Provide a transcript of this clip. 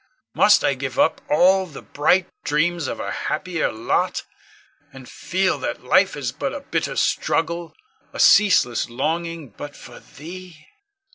Must I give up all the bright dreams of a happier lot, and feel that life is but a bitter struggle, a ceaseless longing but for thee?